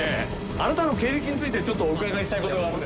あなたの経歴についてちょっとお伺いしたいことが。